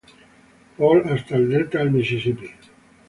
Paul hasta el delta del Mississippi.